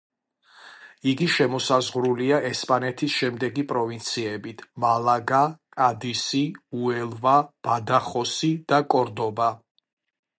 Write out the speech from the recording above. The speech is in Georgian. იგი შემოსაზღვრულია ესპანეთის შემდეგი პროვინციებით: მალაგა, კადისი, უელვა, ბადახოსი და კორდობა.